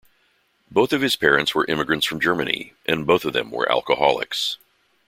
Both of his parents were immigrants from Germany and both of them were alcoholics.